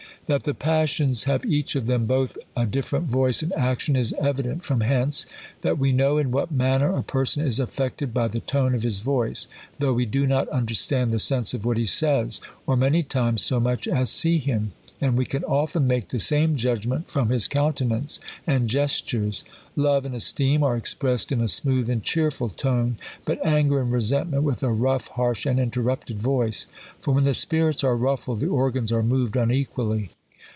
That the passions have each of them both a differ ent voice and action, is evident from hence, that we know in what manner a person is affected, by the tone of his voice, though we do not understand the sense of what he says, or many times so much as see him ; and we can often make the same judgment from his coun tenance and gestm es. Love and esteem are expressed in a smooth and cheerful tone ; but anger and resent ment, with a rough, harsh, and interrupted voice r for when the spirits are ruffled, the organs are moved unequally.